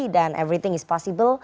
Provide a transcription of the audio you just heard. dan semuanya bisa